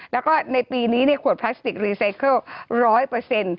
แล้วก็ในปีนี้เนี่ยขวดพลาสติกรีไซเคิล๑๐๐